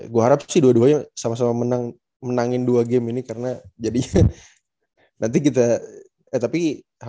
gua harap sih dua duanya sama sama menang menangin dua game ini karena jadinya nanti global juga pasti menang ya